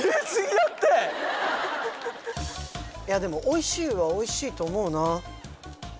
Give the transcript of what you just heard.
おいしいはおいしいと思うなぁ。